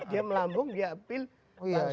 dia melambung dia epil langsung ke soal istana